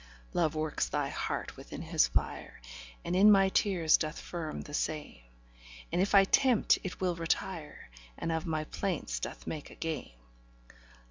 Love works thy heart within his fire, And in my tears doth firm the same; And if I tempt, it will retire, And of my plaints doth make a game.